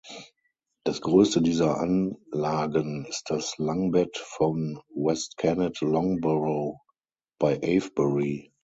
Das größte dieser Anlagen ist das Langbett von West Kennet Long Barrow bei Avebury.